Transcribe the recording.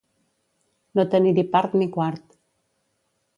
No tenir-hi part ni quart.